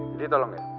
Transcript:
jadi tolong ya